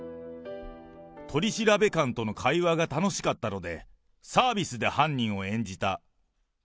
取調官との会話が楽しかったので、サービスで犯人を演じた。